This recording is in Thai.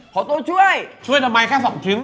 ตัวช่วยช่วยทำไมแค่๒ชิ้น